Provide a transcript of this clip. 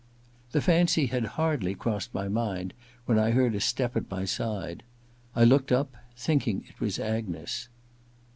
The fancy had hardly crossed my mind when I heard a step at my side. I looked up, thinking it was Agnes.